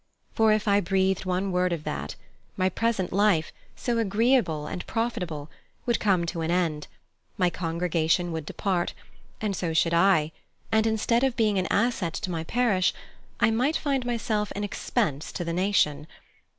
For if I breathed one word of that, my present life, so agreeable and profitable, would come to an end, my congregation would depart, and so should I, and instead of being an asset to my parish, I might find myself an expense to the nation.